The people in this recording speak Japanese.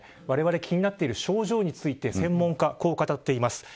われわれの気になる症状について専門家、こう語っています。